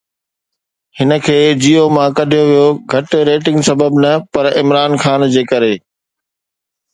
هن کي جيو مان ڪڍيو ويو گهٽ ريٽنگ سبب نه پر عمران خان جي ڪري